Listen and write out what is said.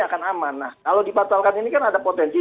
akan aman nah kalau dibatalkan ini kan ada potensi